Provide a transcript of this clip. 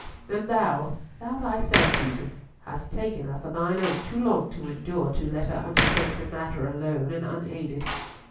And thou, thou thyself, Susan, hast taken her for thine own too long to endure to let her undertake the matter alone and unaided."